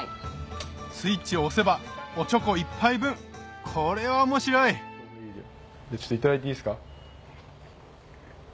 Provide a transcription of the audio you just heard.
スイッチを押せばおちょこ１杯分これは面白いいただいていいですか？